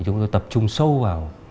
chúng tôi tập trung sâu vào